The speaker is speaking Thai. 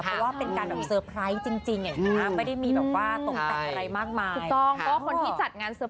เพราะว่าเป็นการแบบเซอร์ไพรส์จริง